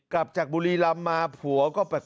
กลับจากบุรีรำมาผัวก็แปลก